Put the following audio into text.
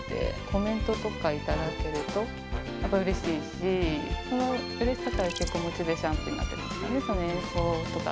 コメントとか頂けるとやっぱりうれしいし、そのうれしさから、結構モチベーションアップになってますよね、その演奏とか。